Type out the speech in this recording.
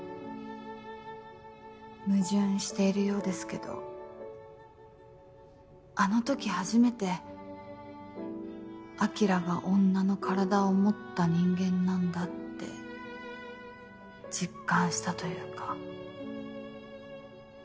矛盾しているようですけどあのとき初めて晶が女の体を持った人間なんだって実感したというか。